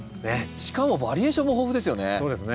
しかもバリエーションも豊富ですよね。